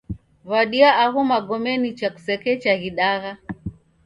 W'adia agho magome nicha kusekecha ghidagha.